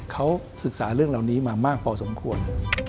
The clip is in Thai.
เขาศึกษาเรื่องเหล่านี้มามากพอสมควร